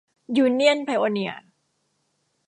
ยูเนี่ยนไพโอเนียร์